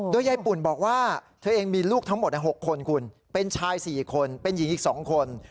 โดยยายปุ่นบอกว่าเธอเองมีลูกทั้งหมด๖คนคุณเป็นชาย๔คนเป็นหญิงอีก๒คน